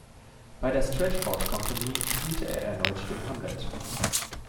Bei der Stratford Company spielte er erneut den Hamlet.